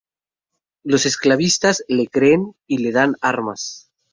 Los esclavistas le creen y le dan armas.